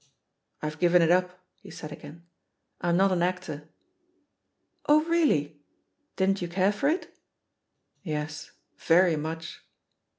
"I've given it up," he said again; "I'm not an actor." "Oh, really? Didn't you care for it?" "Yes, very much.'